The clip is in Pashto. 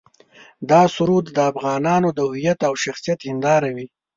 دا سرود د افغانانو د هویت او شخصیت هنداره وي.